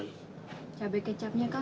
mudah mudahan kamu juga pernah mendengar namaku